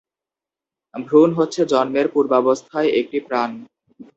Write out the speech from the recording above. ভ্রূণ হচ্ছে জন্মের পূর্বাবস্থায় একটি প্রাণ।